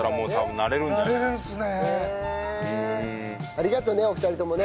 ありがとうねお二人ともね。